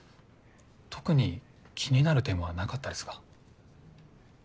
特に気になる点はなかったですが。